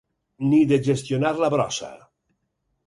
Ni de gestionar la brossa.